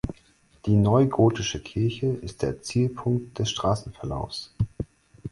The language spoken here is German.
Die neugotische Kirche ist der Zielpunkt des Straßenverlaufs.